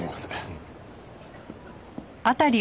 うん。